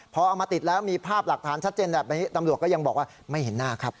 พอเอามาติดแล้วมีภาพหลักฐานชัดเจนแบบนี้ตำรวจก็ยังบอกว่าไม่เห็นหน้าครับ